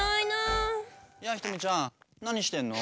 やあひとみちゃんなにしてんの？